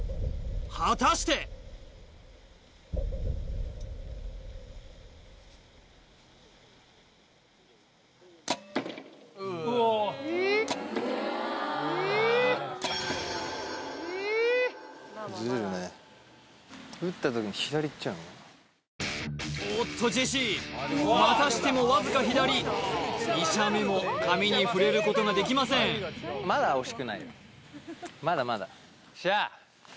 果たしておっとジェシーまたしてもわずか左２射目も紙に触れることができませんよし